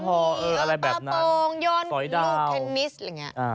มันก็มีป้าโป่งก็พอป้าโป่งยนต์ลูกคันนิสฟ์อะไรแบบนั้น